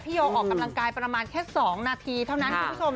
โยออกกำลังกายประมาณแค่๒นาทีเท่านั้นคุณผู้ชม